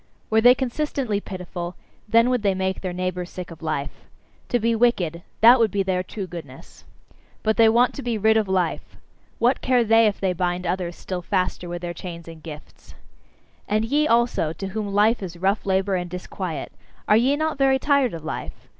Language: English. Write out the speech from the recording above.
Were they consistently pitiful, then would they make their neighbours sick of life. To be wicked that would be their true goodness. But they want to be rid of life; what care they if they bind others still faster with their chains and gifts! And ye also, to whom life is rough labour and disquiet, are ye not very tired of life?